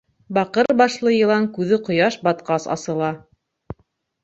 Баҡыр башлы йылан күҙе ҡояш батҡас асыла.